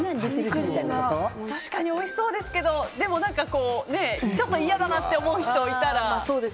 確かにおいしそうですけどちょっと嫌だなって思う人がいたら。